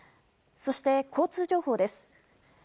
そして、交通情報です。